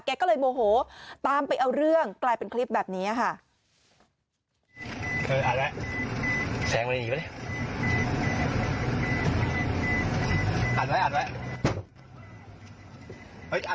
แกก็เลยโมโหตามไปเอาเรื่องกลายเป็นคลิปแบบนี้ค่ะ